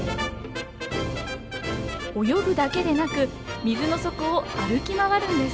泳ぐだけでなく水の底を歩き回るんです。